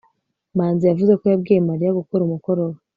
manzi yavuze ko yabwiye mariya gukora umukoro we